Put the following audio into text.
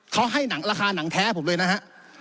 เขาให้หนังราคาหนังแท้ผมเลยนะฮะ